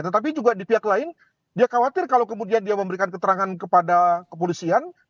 tetapi juga di pihak lain dia khawatir kalau kemudian dia memberikan keterangan kepada kepolisian